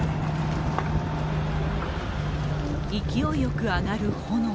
勢いよく上がる炎。